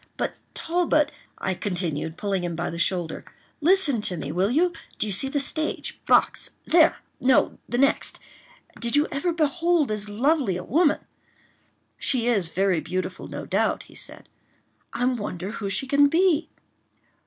"But, Talbot," I continued, pulling him by the shoulder, "listen to me will you? Do you see the stage box?—there!—no, the next.— Did you ever behold as lovely a woman?" "She is very beautiful, no doubt," he said. "I wonder who she can be?"